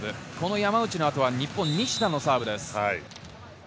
山内の後は日本、西田のサーブです。